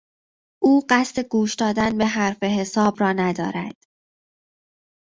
او قصد گوش دادن به حرف حساب را ندارد.